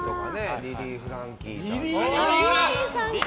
リリー・フランキーさんとか。